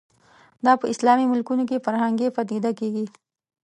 دا په اسلامي ملکونو کې فرهنګي پدیده کېږي